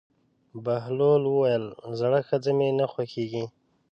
بهلول وویل: زړه ښځه مې نه خوښېږي.